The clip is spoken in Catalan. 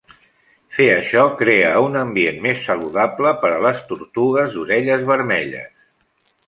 Fer això crea un ambient més saludable per a les tortugues d'orelles vermelles.